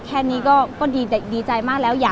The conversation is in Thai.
แค่นี้ก็ดีใจมากแล้ว